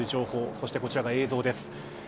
そしてこちらが映像です。